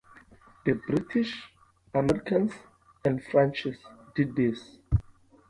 The British, Americans and French did this.